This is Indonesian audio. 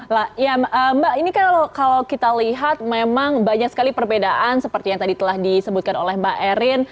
nah mbak ini kan kalau kita lihat memang banyak sekali perbedaan seperti yang tadi telah disebutkan oleh mbak erin